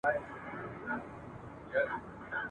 ږغ به خپور سو د ځنګله تر ټولو غاړو ..